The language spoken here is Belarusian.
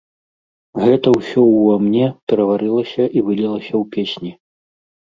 Гэта ўсё ўва мне пераварылася і вылілася ў песні.